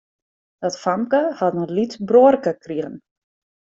Dat famke hat in lyts bruorke krigen.